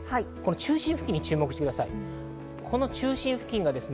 中心付近に注目してください。